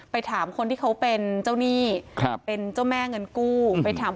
ถามคนที่เขาเป็นเจ้าหนี้ครับเป็นเจ้าแม่เงินกู้ไปถาม